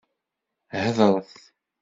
Hedṛet!